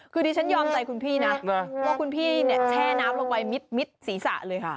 คือดิฉันยอมใจคุณพี่นะว่าคุณพี่เนี่ยแช่น้ำลงไปมิดศีรษะเลยค่ะ